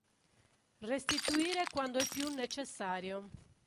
Restituire quando è più necessario.